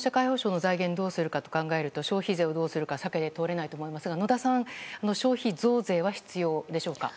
社会保障の財源をどうするかと考えますと消費税をどうするかは避けて通れないと思いますが野田さん、消費増税は必要でしょうか？